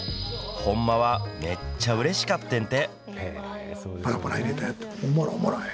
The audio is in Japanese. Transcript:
ほんまは、めっちゃうれしかってんて。